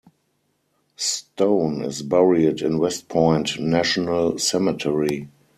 Stone is buried in West Point National Cemetery.